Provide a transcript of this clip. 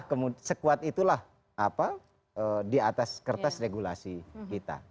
yang lebih kuat itulah apa di atas kertas regulasi kita